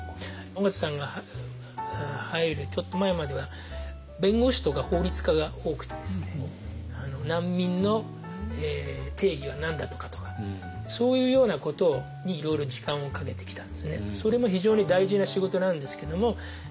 緒方さんが入るちょっと前までは弁護士とか法律家が多くてですね難民の定義は何だとかそういうようなことにいろいろ時間をかけてきたんですね。